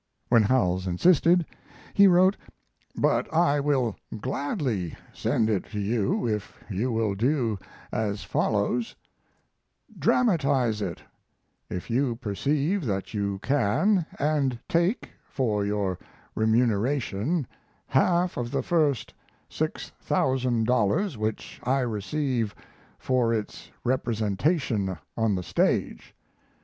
When Howells insisted, he wrote: But I will gladly send it to you if you will do as follows: dramatize it, if you perceive that you can, and take, for your remuneration, half of the first $6,000 which I receive for its representation on the stage.